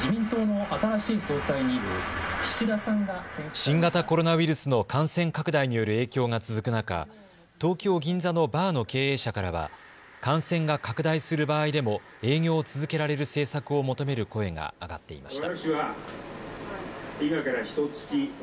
新型コロナウイルスの感染拡大による影響が続く中、東京銀座のバーの経営者からは感染が拡大する場合でも営業を続けられる政策を求める声が上がっていました。